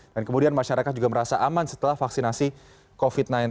dan kemudian masyarakat juga merasa aman setelah vaksinasi covid sembilan belas